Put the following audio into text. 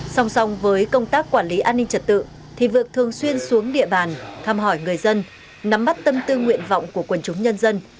song song với công tác quản lý an ninh trật tự thì vượt thường xuyên xuống địa bàn thăm hỏi người dân nắm bắt tâm tư nguyện vọng của quần chúng nhân dân